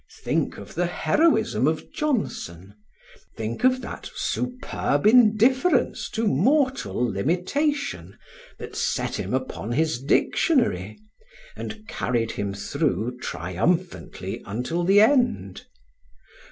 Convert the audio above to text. Think of the heroism of Johnson, think of that superb indifference to mortal limitation that set him upon his dictionary, and carried him through triumphantly until the end!